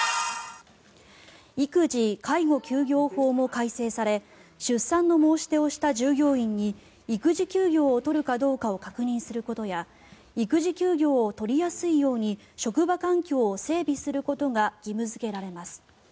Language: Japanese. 育児・介護休業法も改正され出産の申し出をした従業員に育児休業を取るかどうかを確認することや育児休業を取りやすいように職場環境を整備することが義務付けられます。